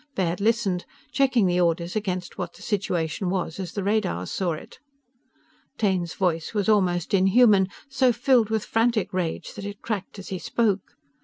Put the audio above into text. Baird listened, checking the orders against what the situation was as the radars saw it. Taine's voice was almost unhuman; so filled with frantic rage that it cracked as he spoke.